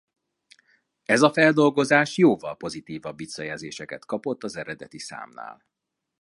Ez a feldolgozás jóval pozitívabb visszajelzéseket kapott az eredeti számnál.